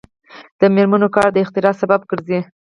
د میرمنو کار د اختراع سبب ګرځي.